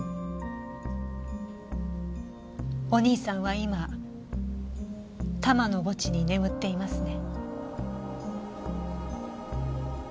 お兄さんは今多摩の墓地に眠っていますね。